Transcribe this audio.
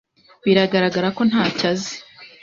Biragaragara ko ntacyo azi.